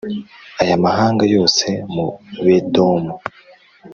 aya mahanga yose mu Bedomu